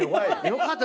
よかった！